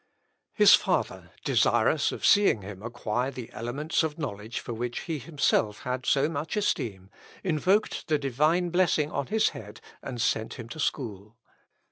His father, desirous of seeing him acquire the elements of knowledge for which he himself had so much esteem, invoked the Divine blessing on his head, and sent him to school.